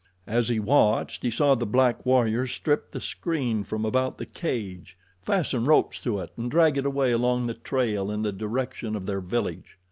As he watched, he saw the black warriors strip the screen from about the cage, fasten ropes to it and drag it away along the trail in the direction of their village.